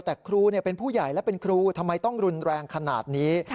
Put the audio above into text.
แต่ครูเป็นผู้ใหญ่และเป็นครูทำไมต้องรุนแรงขนาดนี้